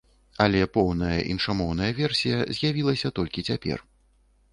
Але поўная іншамоўная версія з'явілася толькі цяпер.